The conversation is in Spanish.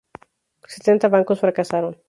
Setenta bancos fracasaron.